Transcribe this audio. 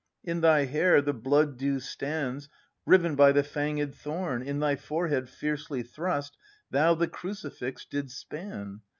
In thy hair the blood dew stands, Riven by the fanged thorn In thy forehead fiercely thrust. Thou the crucifix didst span!